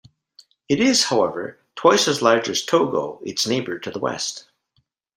It is, however, twice as large as Togo, its neighbor to the west.